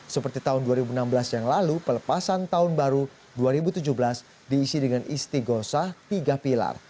seperti tahun dua ribu enam belas yang lalu pelepasan tahun baru dua ribu tujuh belas diisi dengan isti gosah tiga pilar